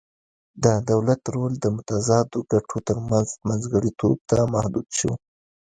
د دولت رول د متضادو ګټو ترمنځ منځګړیتوب ته محدود شو